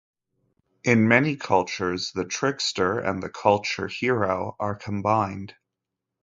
In many cultures the trickster and the culture hero are combined.